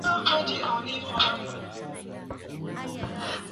wakati huo huo maelfu ya waraia wa japan wameandamana katika mji wa yokohama